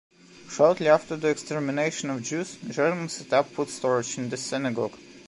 Shortly after the extermination of Jews, Germans set up food storage in the synagogue.